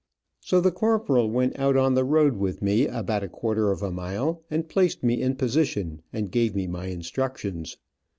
So the corporal went out on the road with me about a quarter of a mile, and placed me in position and gave me my instructions.